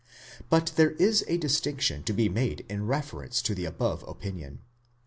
But . there is a distinction to be made in reference to the above opinion.